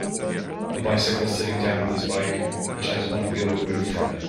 A bicyclist sitting down with his bike which has one wheel removed from it.